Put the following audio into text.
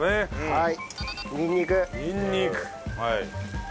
はい！